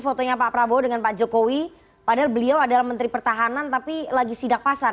fotonya pak prabowo dengan pak jokowi padahal beliau adalah menteri pertahanan tapi lagi sidak pasar